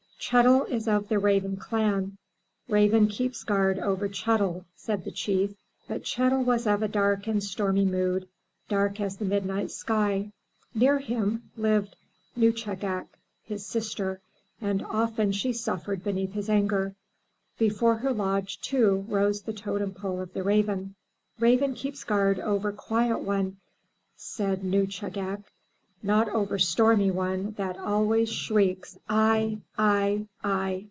''Chet'l is of the raven clan. Raven keeps guard over Chet'l,'* said the Chief. But Chet*l was of a dark and stormy mood, dark as the midnight sky. Near him Uved Nuschagak, his sister, and often she suffered beneath his anger. Before her lodge, too, rose the totem pole of the raven. "Raven keeps guard over quiet one,'' said Nuschagak,'' not over stormy one that always shrieks I! I! I!